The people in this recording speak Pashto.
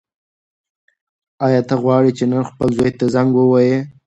ایا ته غواړې چې نن خپل زوی ته زنګ ووهې؟